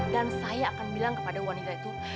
dan saya akan bilang kepada wanita itu